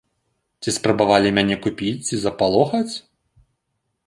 Ці спрабавалі мяне купіць ці запалохаць?